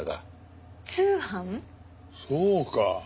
そうか。